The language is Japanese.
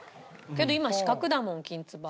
けど今四角だもんきんつば。